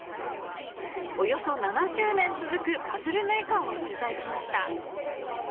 およそ７０年続くパズルメーカーを取材しました。